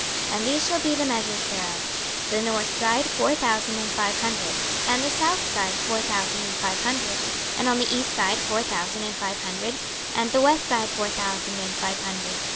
26:048:016 And these shall be the measures thereof; the north side four thousand and five hundred, and the south side four thousand and five hundred, and on the east side four thousand and five hundred, and the west side four thousand and five hundred.